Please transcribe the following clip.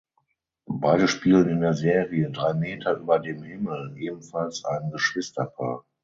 Beide spielen in der Serie "Drei Meter über dem Himmel" ebenfalls ein Geschwisterpaar.